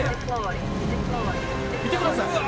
「見てください。